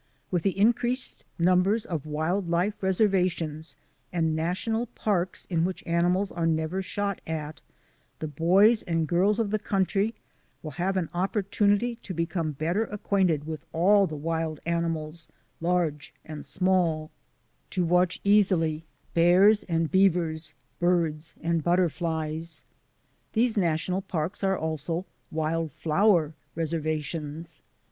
With the increased numbers of wild life reservations and national parks in which animals are never shot at, the boys and girls of the country will have an opportunity to become better acquainted with all the wild animals, large and small; to watch easily bears and beavers, birds and butter flies. These national parks are also wild flower res ervations.